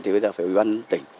thì bây giờ phải ủy ban tỉnh